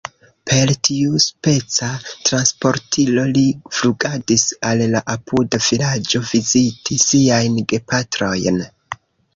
Per tiuspeca transportilo li flugadis al la apuda vilaĝo viziti siajn gepatrojn.